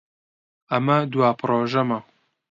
ئەمە دوا پرۆژەمە.